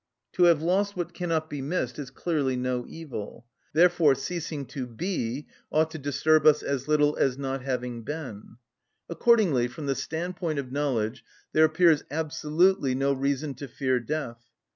_, x. 27). To have lost what cannot be missed is clearly no evil. Therefore ceasing to be ought to disturb us as little as not having been. Accordingly from the standpoint of knowledge there appears absolutely no reason to fear death.